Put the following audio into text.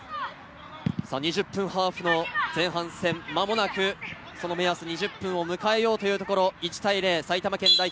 ２０分ハーフの前半戦、間もなくこの目安２０分を迎えようというところ、１対０、埼玉県代表